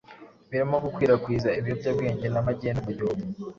birimo gukwirakwiza ibiyobyabwenge na magendu mu gihugu